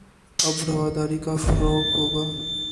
اب رواداری کا فروغ ہو گا